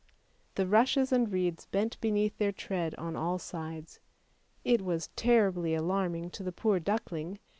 The rushes and reeds bent beneath their tread on all sides. It was terribly alarming to the poor duckling.